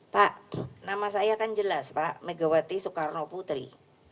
pak nama saya kan jelas pak megawati soekarno putri